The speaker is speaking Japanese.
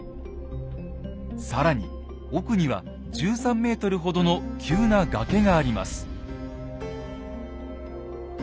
更に奥には１３ｍほどの急な崖があります。